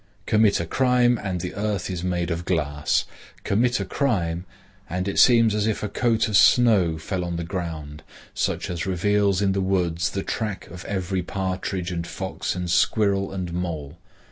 Commit a crime, and the earth is made of glass. Commit a crime, and it seems as if a coat of snow fell on the ground, such as reveals in the woods the track of every partridge and fox and squirrel and mole.